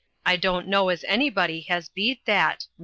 I don't know as anybody has beat that much."